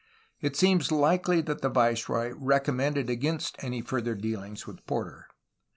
It seems likely that the viceroy recommended against any further deahngs with Porter.